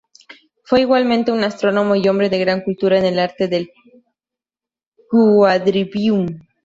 Fue igualmente un astrónomo y hombre de gran cultura en el arte del "Quadrivium".